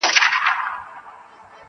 • او تقریباً د خوښۍ -